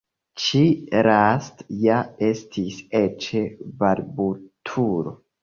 Ĉi lasta ja estis eĉ balbutulo!